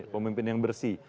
pemimpin yang bersih